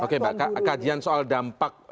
oke mbak kajian soal dampak